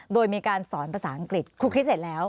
โดยมีการสอนภาษาอังกฤษคลุกคลิกเสร็จแล้ว